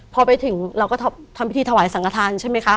พอไปถึงเราก็ทำพิธีถวายสังฆฐานใช่ไหมคะ